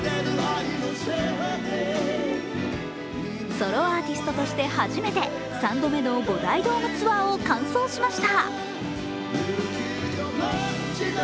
ソロアーティストとして初めて３度目の５大ドームツアーを完走しました。